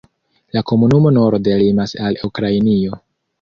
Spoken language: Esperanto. La komunumo norde limas al Ukrainio.